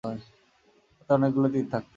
তাতে অনেকগুলো তীর থাকত।